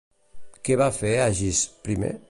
Què va fer Agis I?